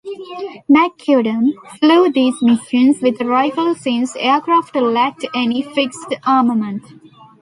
McCudden flew these missions with a rifle since aircraft lacked any fixed armament.